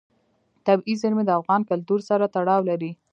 طبیعي زیرمې د افغان کلتور سره تړاو لري.